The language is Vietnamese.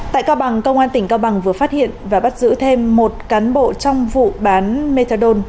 tại cao bằng công an tỉnh cao bằng vừa phát hiện và bắt giữ thêm một cán bộ trong vụ bán methadone